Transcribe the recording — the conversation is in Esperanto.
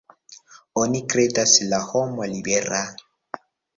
Oni kredas la homo libera.